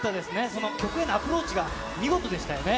その曲へのアプローチが見事でしたよね。